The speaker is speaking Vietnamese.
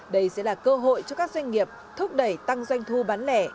đây sẽ là cơ hội cho các doanh nghiệp thúc đẩy tăng doanh thu bán lẻ